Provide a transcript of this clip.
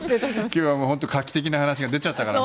今日は画期的な話が出ちゃったから。